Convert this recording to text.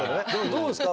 どうですか？